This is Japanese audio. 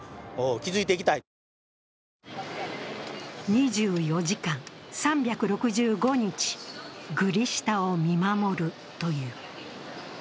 ２４時間３６５日、グリ下を見守るという。